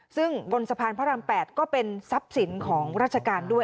ซึ่งบนสะพานพระราม๘ก็เป็นทรัพย์สินของราชการด้วย